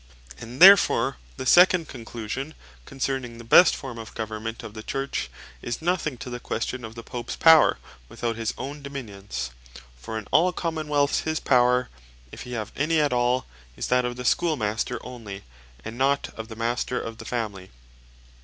And therefore the second Conclusion, concerning the best form of Government of the Church, is nothing to the question of the Popes Power without his own Dominions: For in all other Common wealths his Power (if hee have any at all) is that of the Schoolmaster onely, and not of the Master of the Family.